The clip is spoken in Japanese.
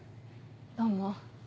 どうも。